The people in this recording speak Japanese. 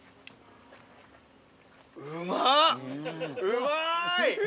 うまい！